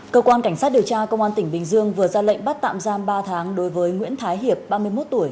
cơ quan cảnh sát điều tra công an tỉnh bình dương vừa ra lệnh bắt tạm giam ba tháng đối với nguyễn thái hiệp ba mươi một tuổi